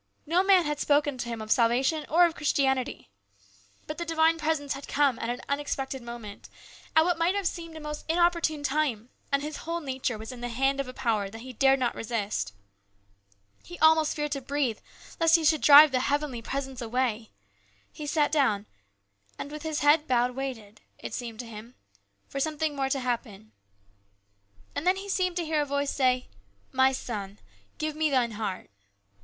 No man had spoken to him of salvation or of Christianity. But the divine presence had come at an unexpected moment, at what might have seemed at a most inopportune time, and his whole nature was in the hand of a power that he dared not resist. He almost feared to breathe lest he should A CHANGE. 99 drive the heavenly presence away. He sat down, and with his head bowed waited, it seemed to him, for something more to happen. And then he seemed to hear a voice say, " My son, give Me thine heart."